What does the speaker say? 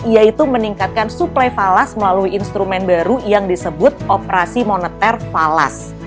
yaitu meningkatkan suplai falas melalui instrumen baru yang disebut operasi moneter falas